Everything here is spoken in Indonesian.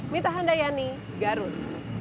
mita handayani garun